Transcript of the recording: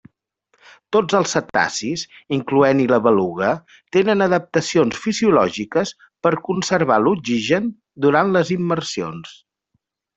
Tots els cetacis, incloent-hi la beluga, tenen adaptacions fisiològiques per conservar l'oxigen durant les immersions.